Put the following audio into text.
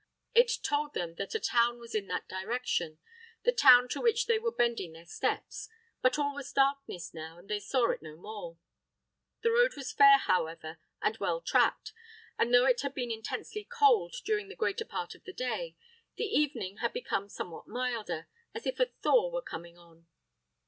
It told them that a town was in that direction the town to which they were bending their steps; but all was darkness now, and they saw it no more. The road was fair, however, and well tracked: and though it had been intensely cold during the greater part of the day, the evening had become somewhat milder, as if a thaw were coming on.